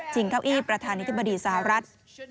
จิงเข้าอี้ประธานิทธิบดีสหรัฐ